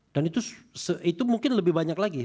dan itu mungkin lebih banyak lagi